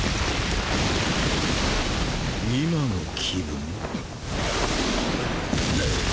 今の気分？